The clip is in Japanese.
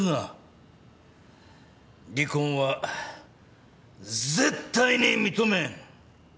離婚は絶対に認めん！